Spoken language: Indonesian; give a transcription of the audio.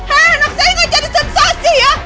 anak saya gak cari sensasi ya